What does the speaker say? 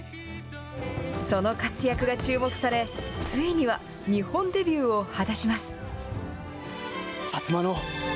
その活躍が注目され、ついには日本デビューを果たします。